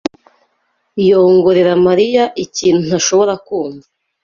yongorera Mariya ikintu ntashobora kumva.